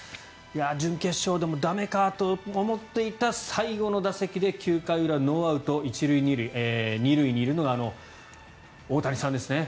準決勝でも駄目かと思っていた最後の打席で９回裏、ノーアウト１塁２塁２塁にいるのは大谷さんですね。